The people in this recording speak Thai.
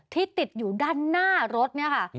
ที่ติดอยู่ด้านหน้ารถเนี่ยค่ะ